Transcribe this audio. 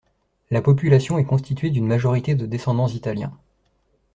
La population est constituée d'une majorité de descendants italiens.